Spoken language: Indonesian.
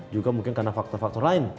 juga mungkin karena faktor faktor lain